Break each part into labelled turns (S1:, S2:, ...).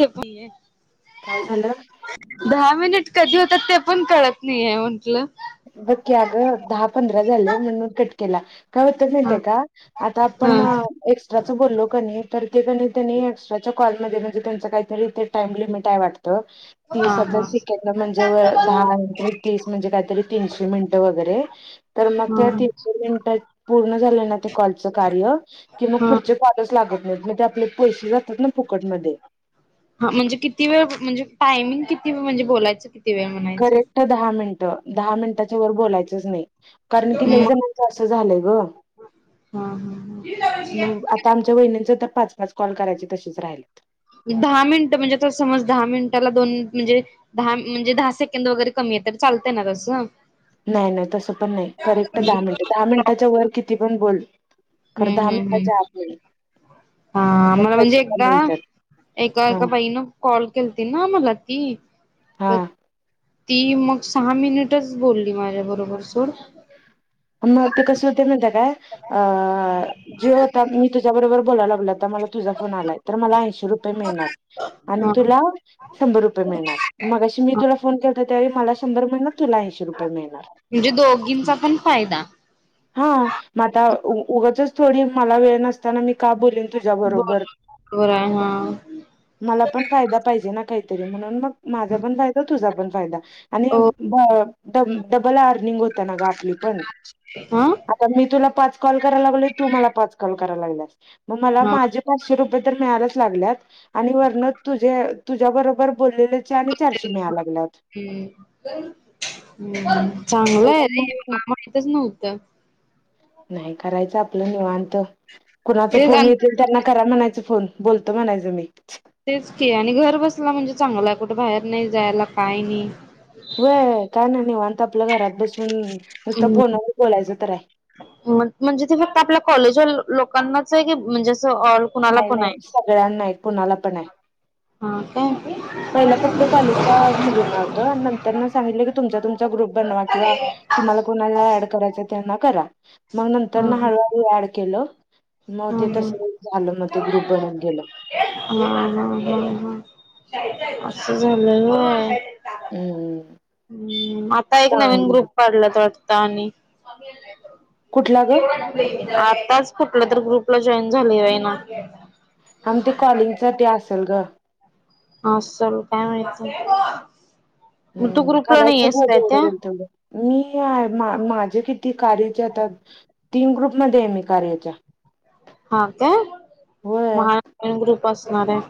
S1: ते पिये.
S2: काय झालं?
S1: मिनिट कधी होतात ते पण कळत नाहीय म्हटलं.
S2: बघ की अगं दहा, पंधरा झाले म्हणून कट केला. का होत माहितआ
S1: हा
S2: हे का? आता
S1: हा
S2: आपण एक्स्ट्राच बोललो कणी तर ते कणी एक्स्ट्राच कॉल मध्ये तुमचं काहीतरी ते ते आपल्याना काय वाटतं ते
S1: हा हा
S2: सतत
S1: हा
S2: म्हणजे दहा म्हणजे तीस म्हणजे काहीतरी तीनशे मिनिट वगैरे तर मग त्या
S1: हा.
S2: तीनशे मिनिटे पूर्ण झालं ना कॉल च कार्य की मग पुढचे कॉलच लागत नाही. मग आपले पैसे जातात ना फुकटमध्ये.
S1: हा म्हणजे किती वेळ म्हणजे टायमिंग किती म्हणजे बोलायचं की
S2: करेक्ट दहा मिनिट, दहा मिनिटाच्या वर बोलायचंच नाही. कारण की
S1: मग
S2: लईजनाच असं झालंय ग.
S1: हा हा
S2: मग आता आमच्या वहिनंच तर पाच, पाच कॉल करायचे तसेच राहिल्यात.
S1: दहा मिनिट म्हणजे त समज दहा मिनिटाला दोन म्हणजे द म्हणजे दहा सेकंड वगैरे क तर चालत ना तसं.
S2: नाही नाही. तसं पण नाही. करेक्ट दहा मिनिट, दहा मिनिटाच्या वर किती पण बोल. खरं
S1: हम्म
S2: दहा
S1: हम्म
S2: मिनिटाच्या आत
S1: हम्म.
S2: नाही
S1: हा
S2: मग
S1: मला म्हणजे
S2: पैसे कमी
S1: एकदा
S2: येतात
S1: एका,
S2: हा
S1: एका बाई ना कॉल केलती ना मला ती.
S2: हा.
S1: तर ती मग सहा मिनिटच बोलली माझ्या बरोबर सोड.
S2: मग ते कसं होतंय माहिती हाय काय, अ जे होतात मी तुझ्या बरोबर बोलायला लागलोय आता मला तुझा फोन आलाय, तर मला ऐंशी रुपये मिळणार
S1: हा
S2: आणि तुला शंभर रुपये मिळणार. मगाशी मी
S1: हा
S2: तुला फोन केलता तर त्यावेळी मला शंभर म्हणलं, तुला ऐंशी रुपये मिळणार.
S1: म्हणजे दोघींचा पण फायदा.
S2: हा म आता उगचच थोडी मला वेळ नसताना मी का बोलेन तुझ्याबरोबर?
S1: बरोबर आहे हा
S2: मलापण फायदा पाहिजे ना काही. म्हणून मग माझापण फायदा, तुझा पण फायदा. आणि
S1: ओके
S2: ब डब डबल अर्निंग होत ना गं आपली.
S1: हा
S2: आता मी तुला पाच कॉल कराय लागलोय, तू मला पाच कॉल करायला लागल्यास. मग मला
S1: हा.
S2: माझे पाचशे रूप य तर मिळायलाच लागल्यात आणि वरनं तुझ्या बरोबर बोललेले
S1: हम्म चांगलं हाय नाय. मला
S2: त्याच्यामुळे
S1: माहितच नव्हतं.
S2: नाही करायचं आपलं निवांत. कुणाचं
S1: तेच
S2: फोन
S1: आणि
S2: येतील, त्यांना करा म्हणायचं फोन. बोलतो म्हणायचं मी.
S1: तेचकी आणि घर बसल्या म्हणजे चांगलं हाय, कुठं बाहेर नाही जायला, काय नाय.
S2: व्हय काय नाय निवांत आपल्या घरात बसून नुसतं
S1: हम्म
S2: फोनवर बोलायचं तर आहे
S1: म्हणजे ते फक्त आपल्या कॉलेजवर लॉ लोकांनाच हाय काय म्हणजे असं सो ऑल
S2: नाही
S1: कुणालापण हाय.
S2: नाही सगळ्यांना आहेत कुणाला पण आहे.
S1: हा. काय हा
S2: पहिला फक्त कॉलेजच्या मुलींना होतं नंतरना सांगितलं, की तुमचा तुमचा ग्रुप बनवा किंवा तुम्हाला कोणाला ऍड करायचं तेना करा. मग नंतर ना हळूहळू ऍड केलं. मग ते
S1: हं हं,
S2: तसं झालं मग ते ग्रुप बनत गेलं.
S1: हा हा हा हा. अस झालंय होय.
S2: हम्म
S1: हम्म आता एक नवीन
S2: चांगलं
S1: ग्रुप काढलाय त्यात. आता आणि
S2: कुठला ग
S1: आताच फुटलं तू ग्रुपला जॉईन झाली आहे आहे ना.
S2: हा म ते कॉलिंगच ते असेल गं.
S1: आसल काय माहिती. मग तू
S2: हम्म
S1: ग्रुपला नाही
S2: करायचं
S1: आहेस
S2: [unintelligible]
S1: काय
S2: जेवढ
S1: त्या
S2: होईल तेवढं. माझे किती कार्याचे आता तीन ग्रुपमध्ये आहे मी कार्याच्या.
S1: हा काय,
S2: होय
S1: मग हा तीन ग्रुप असणार हाय.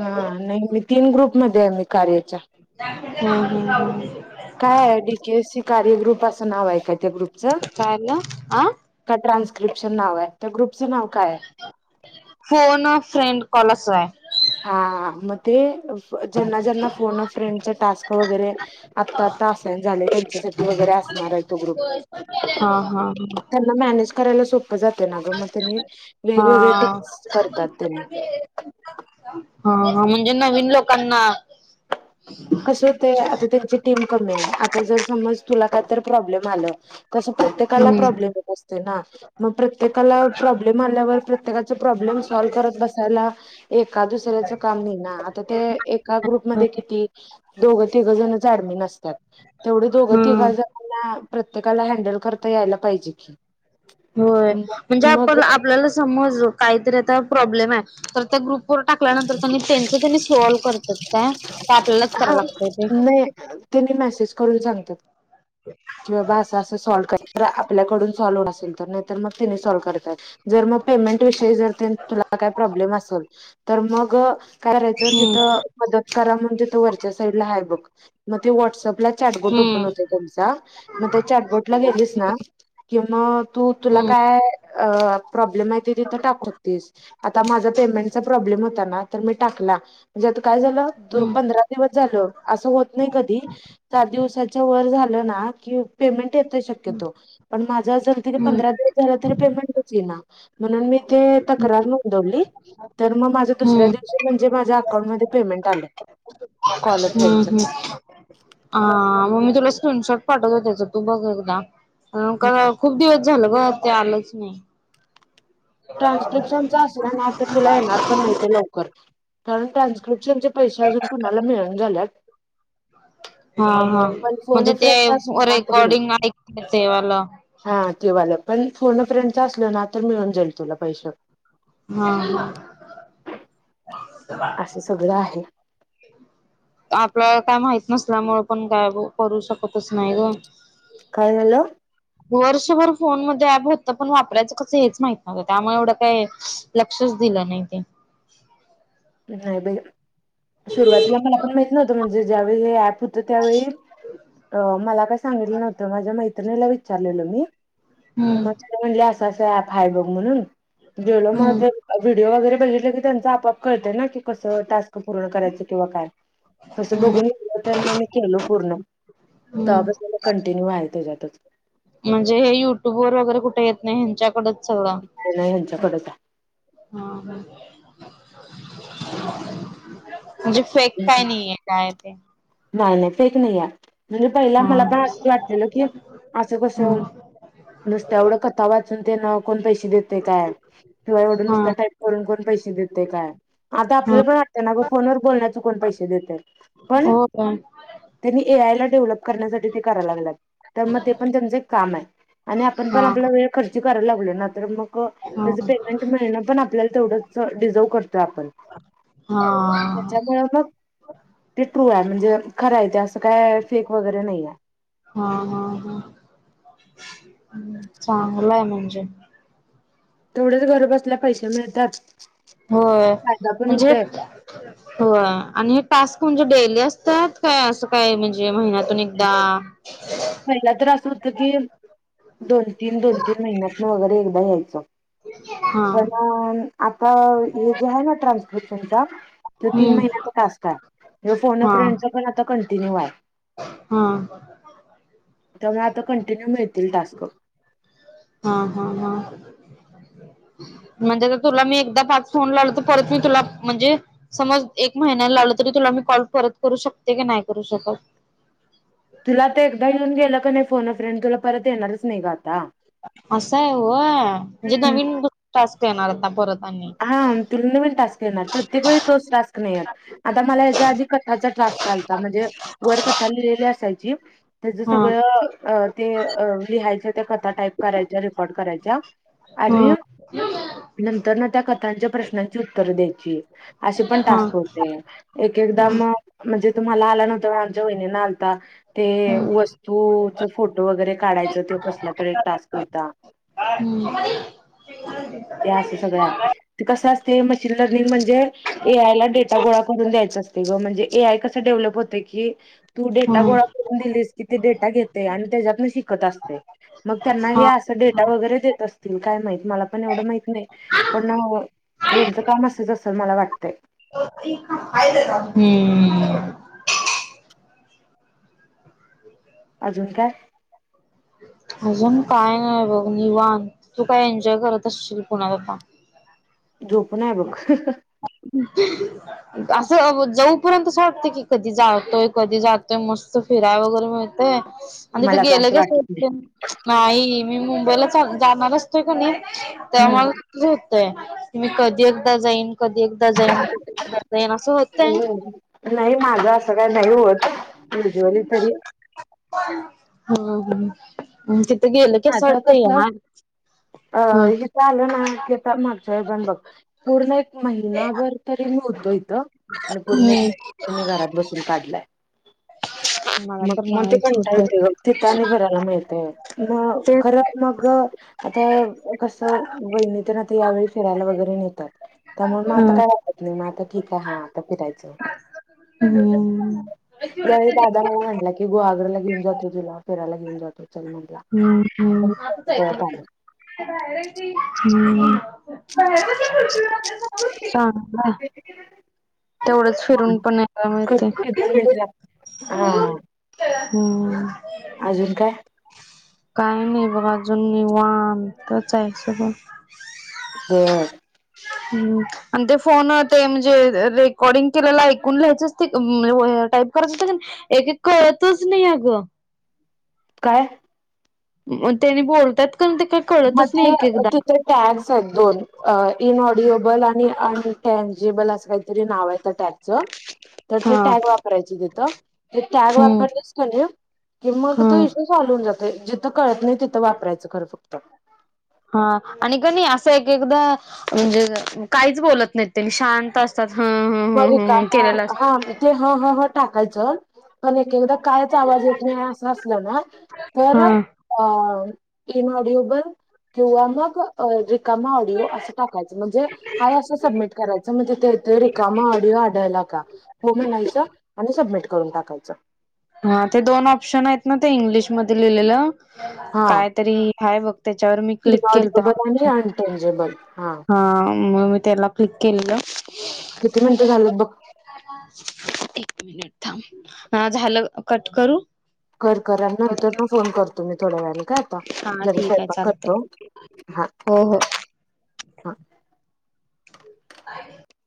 S2: हा नाही, मी तीन ग्रुपमध्ये आहे मी कार्याच्या.
S1: हं हं हं.
S2: कार्य ग्रुप असं नाव आहे का त्या ग्रुपचं?
S1: काय झालं आ
S2: कायतर ग्रुपचं नाव आहे, त्या ग्रुप
S1: फोन फ्रेंड कॉल असं हाय.
S2: हा मग ते ज्यांना ज्यांना फोन अ फ्रेंडचे टास्क वगैरे आता आता असायन झाले त्या साठी वगैरे असणार हाय तो ग्रुप.
S1: हा हा
S2: त्यांना मॅनेज करायला सोप्प जातं ना ग, मग त्यांनी वेगवेगळे
S1: हा
S2: टिप्स करतात त्यांनी.
S1: हा हा म्हणजे नवीन लोकांना
S2: कसं होतंय, आता त्यांची टीम कमी आहे, आता जर समज तुला काहीतर प्रॉब्लेम आलं तसं प्रत्येकाला
S1: हम्म
S2: प्रॉब्लेम येत असतोय ना, मग प्रत्येकाला प्रॉब्लेम आल्यावर प्रत्येकाचे प्रॉब्लेम सॉल करत बसायला एका दुसऱ्याचं काम नाही ना, आता ते एका ग्रुपमध्ये किती दोघं तिघंजणच ऍडमिन असतात, तेवढे दोघं तिघं
S1: हम्म
S2: जणांना प्रत्येकाला हँडल करता यायला पाहिजे की.
S1: होय, म्हणजे
S2: मग
S1: आपण आपल्याला समज काहीतरी आता प्रॉब्लेम आहे, तर त्या ग्रुप वर टाकल्यानंतर त्यांनी त्यांच त्यांनी सॉल्व करतात काय, का आपल्यालाच कराय लागतय ते?
S2: तेनी मेसेज करून सांगतात. किं बा असं असं सॉल् आपल्याकडून सॉल्व असेल तर नाहीर मग तिने सॉल्व करताय. जर मग पेमेंट विषयी जर तुला काही प्रॉब्लेम असेल तर मग काय करायच
S1: हम्म
S2: तिथं मदत करा म्हण तिथ वरच्या साईड ला आहे बघ मग ते व्हॉट्सअप आपला चाटबोटोपन
S1: हम्म
S2: होतो त्यांचा मग ना चाटबोट ला गेलीस ना गे कि त तु
S1: हम्म
S2: काय् माहिती तिथे टाकू शकतेस, माझा पेमेंटचा प्रॉब्लेम होता ना तो मी टाकला. काय
S1: हम्म
S2: पंधरा दिवस झालं, अस होत नाही कधी चार दिवसाच्या वर झालं ना कि पेमेंट येतय शक्यतो पण माझ अस पंधरास झाला तरी पेमेंट ईना म्हणून मी ते तक्रार नोंदवली. तर मग माझं
S1: हम्म
S2: दुसऱ्या
S1: हम्म
S2: दिवशी म्हणजे माझ्या अकाउंटमध्येध्ये पेमेंट आलं. कॉल अ
S1: हम्म
S2: फ्रेंडचं
S1: हम्म ह म तुला स्क्रीन शॉट पाठवते तू बघ एकदा, कारण खूप दिवस झालं. हो ते आलंच नाही.
S2: ट्रान्स्क्रिप्शनचा असल ना तर तुला येणार पण नाही ते लवकर. कारण ट्रान्स्क्रिप्शन चे पैसे अजून कुणाला मिळून झाल्यात
S1: हा हा
S2: पण फोन
S1: म्हणजे
S2: अ
S1: ते
S2: फ्रेंडचा असला ना तरी येईल.
S1: रेकॉर्डिंग ऐक तेवाला.
S2: हा तेवालं पण फोर्ण फ्रेंडच असल ना तर मिळून जाईल तुला पैसे.
S1: हा
S2: असे सगळं आहे.
S1: आपल्या काय माहत नसल्यामुळे पण काय करू शकतच नाही ग.
S2: काय झालं.
S1: वर्षभर फोन मध्ये ऍप होतं पण वापरायचं कसं हेच माहित नव्हतं त्यामुळे एवढं काय लक्ष दिला नाही ते
S2: ह् नाहीा ब सुरुवातीला मला पण माहित नव्हतं म्हणजे ज्यावेळी हे ऍप होतं त्यावेळी अ मला काय सांगितलं नव्हतं माझ्या माहि ला विचारलेल मी
S1: हम्म
S2: मग त म्हली अस अस फाय बघ म्हणून जेवल
S1: हम्म
S2: मव व्हिडिओ वगैरे बघितलं की त्यांचा आपाप कळतय ना की कसं टास्क पूर्ण करायचं किंवा काय तस
S1: हम्म
S2: बघून ग म मी केलो पूर्ण त
S1: हम्म
S2: बस मला कंटिन्यू आहे त्याच्यातच
S1: म्हणजे हे युट्यूब वर वगैरे कुठे येत नाही ह्यांच्याकड च हा
S2: नाही नाही ह्यांच्याकडच
S1: ह म्हणजे फेक
S2: आहे
S1: काय नाहीये काय ते
S2: नाही नाही फेक नाही आहे म्हणजे पहिला
S1: हा
S2: मला अस वाटलेलं की असं कसं
S1: हम्म
S2: नुसत एवढं कथा वाचून ते ना कोण पैसे देते काय किंवा एवढ
S1: हा
S2: नुसत टाईप करून कोण पैसे ेत काय आता
S1: हा
S2: आपल्याला पण वाटत ना ग फोन व बोलण्याकण पैसे देते पण
S1: हो काय
S2: त्यांनी ए आय ला डेव्हलप ण्यासाठी करा लाग तर मग ते पण त्यांच एक काम आहे आणि आपण पण
S1: हा
S2: आप वेळ खर् कराय लागले ना तर मग
S1: हा
S2: त्याच पेमेंट मिळणं पण आपल्याला तेवढंच डिझर्व करतो आपण
S1: हा
S2: त्याच्यामुळे मग टिटरू आहे म्हणजे खरायच असं काय फेक वगैरे नाही आहे
S1: चांगलंय म्हणजे
S2: तेवढ्याच घर बसल्या पैसे मिळतात
S1: होय
S2: फायदा पण
S1: म्हणजे
S2: होतोय
S1: हो आणि हे टास्क म्हणजे डे असतात काय अस काय म्हणजे म्यात पुणिकदा
S2: पहिला तर असं होतं की दोन तीन दोन तीन महिन्यातन वगैरे एकदा यायचं
S1: हा
S2: पण आता हे जे आहे ना ट्रान्सपो तो तीन
S1: हम्म
S2: महिन्याचा टास्क आहे म्ह फोन
S1: हा
S2: फ्रेंड पण आता कंटिन्यू आहे...
S1: हा...
S2: त्यामुळे आता कंटिन्यू मिळतील टास्क....
S1: अ... म्हणजे तुला मी एकदा पाच फोन लावलो तर परत मी तुला म्हणजे समज एक महिन्या लावल त.. तुला मी कॉल परत करू शकते की नाही करू शकत..
S2: तुला तर एकदा येऊन गेलं का नाही फोन फ्रेंड तुला परत येणारच नाही का आता...
S1: असं आहे होय म्हंणजे
S2: हम्म.
S1: विंडू टास्क येणार आता परत.... आणि
S2: हा त नवीन टास्क येणार प्रत्येक वेळी तोच टास्क नाही आता मला याच्या आधी कथाचा ठ तसल म्हणजे वरकथा लिहिली असायची. त्याच
S1: हा
S2: सगळं ते लिहायच त्या कथा टाईप करायच्या रेकॉर्ड करायच्या... आणि
S1: हा
S2: नंतर ना त्या कथांच्या प्रश्नाची उत्तरं द्यायची... असे पण
S1: हा
S2: टास्क होते एक
S1: हा
S2: एकदाम म्हणजे तुम्हाला आला नव्हतं आमच्या वहिणी... ता ते
S1: हम्म
S2: वस्तूच फोटो वगैरे काढायच ते कसला तर एक टास्क होता... ते असं सगळं
S1: ह....
S2: आहे ते कसं असते मशीन लर्निंग म्हणजे ए आय ला डेटा गोळा करून द्यायचां असते गं म्हणजे ए आय कसं डे... डेव्हलप होते की, तू डेटा
S1: हम्म
S2: गोळा करून दिलीस की ते डेटा घेते आणि त्याच्यातून शिकत असते. मग त्यांना हे
S1: हा
S2: असं डेटा वगैरे देत असतील काय माहित मला पण एवढं माहित नाही. पण यांचं काम असयच असेल मला वाटतय.
S1: हम्म.
S2: अजून काय?
S1: [unintelligible] अजून काय नाही बघ निवांत तू काय एन्जॉय करत असशील पुण्यात आता....
S2: झोपून आहे बघ
S1: [unintelligible] असं जाऊपर्यंत असं वाटतं की कधी जातोय कधी जातोय मस्त फिराय वगैरे मिळतेय. आणि तिथे
S2: मला काय
S1: गेलं
S2: असं
S1: कस
S2: वाटत नाही
S1: नाही मी मुंबईला जाणार असतोय का नाही? त्यामुळे मला
S2: हम्म
S1: क होतंय की मी कधी एकदा जाईन कधीदा.
S2: नाही माझं असं काय नाही होत. तरी
S1: [unintelligible]
S2: माझ
S1: असं
S2: कस
S1: वाटतंय यार
S2: अ
S1: हा
S2: इथं आलं ना पूर्ण एक महिभर तरी... इथ आणि पूर्ण
S1: हम्म
S2: एकी घरात बसून काढलाय.
S1: मला तर
S2: मग म ते
S1: नाहीच होत
S2: कंटाळा
S1: बाई
S2: येतो मग तिथ आणि भरायला मिळते... मग
S1: तेच
S2: खरं मग आता कसं बहिणी तर आता यावेळी फिरायला वगैरे.... त्यामुळे मग
S1: हा.
S2: आता काय वाटत नाही मग आता ठीक आहे हा आता फिरायचं.
S1: हम्म.
S2: यावेळी दादा म्हटला की गुहागराला घेऊन जातो तुला फिरायला घेऊन जातो चल म्हटला... मग मी पळत आलो.
S1: हम्म हम् हम्म.... [unintelligible] तेवढंच
S2: हा
S1: फिरून पण यायला मिळतेय.
S2: करतो की दोन मिनिटं लागतात. हा
S1: ह....
S2: अजून काय?
S1: काही नाही बघ अजून निवांच ये....
S2: हम...
S1: आणि ते फोन ते म्हणजेे... रेकॉर्डिंग केलेला ऐकून लहायचंच ते टाईप करायचं एक एक कळतच नाही अगं....
S2: काय?
S1: मग त्यांनी बोलतात. कणी ते काही कळतच नाही
S2: मध्ये
S1: एक एकदा.
S2: तिथे टॅग्स आहेत दोन इन ऑडिएबल आणि आणि टॅग जेबल असं काहीतरी नाव आहे टॅग. तर ते
S1: हा.
S2: टॅग वापरायच तिथ टॅग
S1: हम्म.
S2: [unintelligible] कि मग तो
S1: हा.
S2: इशू सॉल्व हून जातोय. जिथं कळत नाही तिथं वापरायचं खरं फक्त.
S1: हा आणि का नाई असं एक एकदा म्हणजे काहीच बोलत नाहीत त्यां शांत असतात. ह ह
S2: बर का ह
S1: केलेलं
S2: हा
S1: असत
S2: ते ह ह टाकायचं पण एक एकदा कायच आवाज येत नाही असं असलं ना तर
S1: हा
S2: अ इन ऑडिएबल. किंवा मग रिकामा ऑडिओ असं टाकायच म्हणजे हाय असं सबमिट करायचं म्हणजे ते मग ऑडिओ आढला का हो म्हयच आणि सबमिट करून टाकायच.
S1: हा ते दोन ऑप्शन आहेत ना ते इंग्लिशमध्ये लिहिलेलं.
S2: हा
S1: काय तरी हा बघ त्याच्यावर मी क्लिक केल
S2: इनऑडिबल आणि
S1: तर.
S2: अनटेंजेबल
S1: हा मग मी त्याला क्लिक केलेलं.
S2: किती मिनिटं झालेत बघ?
S1: एक मिनिट थांब झालं कट करू?
S2: कर कर नंतर मग फोन करतो मी थोड्या वेळानी. ठेवू का
S1: हा
S2: जरा
S1: ठीक आहे
S2: स्यंपाक
S1: चालतय
S2: करतो हा
S1: हो हो
S2: हा.
S1: [unintelligible]